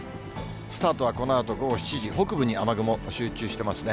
スタートはこのあと午後７時、北部に雨雲集中してますね。